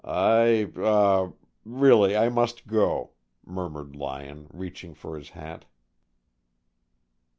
"I er really, I must go," murmured Lyon, reaching for his hat.